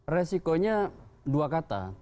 resikonya dua kata